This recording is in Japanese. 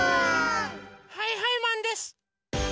はいはいマンです！